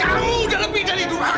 kamu udah lebih dari duraka